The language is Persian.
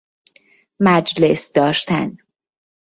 مجلس داشتن